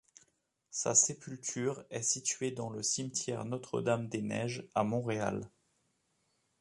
Sa sépulture est située dans le Cimetière Notre-Dame-des-Neiges, à Montréal.